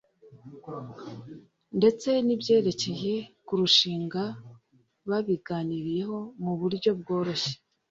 ndetse n’ibyerekeye kurushinga babiganiriyeho mu buryo bworoshye